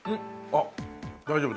あっ大丈夫？